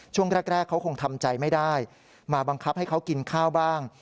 ช่วงแรกเขาคงทำใจไม่ได้มาบังคับให้เขากินข้าวบ้าง